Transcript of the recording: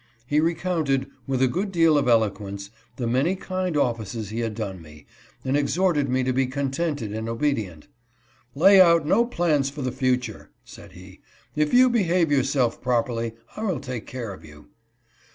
He recounted, with a good deal of eloquence, the many kind offices he had done me, and exhorted me to be contented and obedient. " Lay out no plans for the future," said he. " If you behave your self properly, I will take care of you."